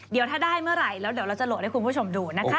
เดี๋ยวถ้าได้เมื่อไหร่แล้วเดี๋ยวเราจะโหลดให้คุณผู้ชมดูนะคะ